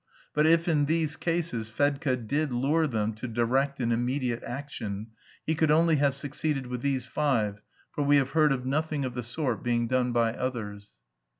But if in these cases Fedka did lure them to direct and immediate action, he could only have succeeded with these five, for we heard of nothing of the sort being done by others.